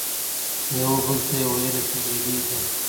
یوه بل ته یې ویله چي بیلیږو